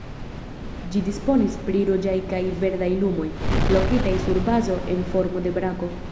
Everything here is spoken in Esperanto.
Ĝi disponis pri ruĝaj kaj verdaj lumoj, lokitaj sur bazo en formo de brako.